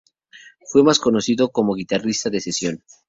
Fue más conocido como guitarrista de sesión.